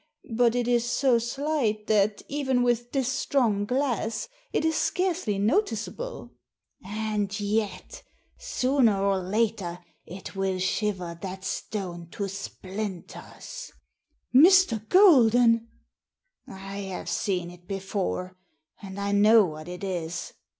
But it is so slight that, even with this strong glass, it is scarcely noticeable." "And yet, sooner or later, it will shiver that stone to splinters." "Mr. Golden!" " I have seen it before, and I know what it is.